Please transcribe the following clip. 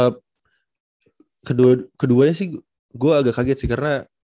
ya keduanya sih gue agak kaget sih karena